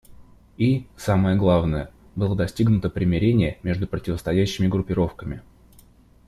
И, самое главное, было достигнуто примирение между противостоящими группировками.